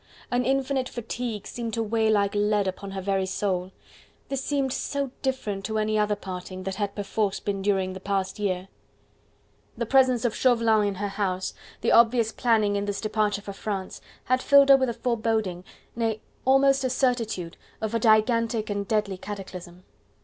An infinite fatigue seemed to weigh like lead upon her very soul. This seemed so different to any other parting, that had perforce been during the past year. The presence of Chauvelin in her house, the obvious planning of this departure for France, had filled her with a foreboding, nay, almost a certitude of a gigantic and deadly cataclysm.